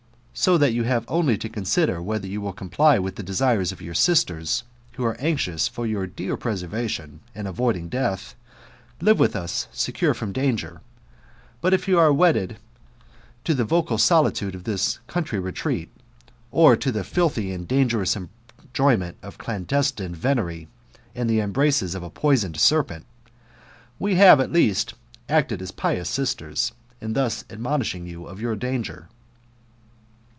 So that you have only to consider whether you will comply with the desires of your sisters, who are anxious for your dear preservation, and avoiding death, live with us secure from danger, or be buried in the bowels of a most cruel beast But if you are wedded to the vocal solitude of this country retreat, or to the filthy and dangerous enjoyment of clandestine venery, and the embraces of a poisoned serpent, we have at least acted like pious sisters in thus admonishing you of your danger."